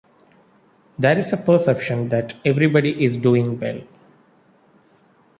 There is a perception that everybody is doing well.